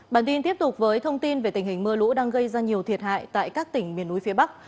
bản tin tiếp tục với thông tin về tình hình mưa lũ đang gây ra nhiều thiệt hại tại các tỉnh miền núi phía bắc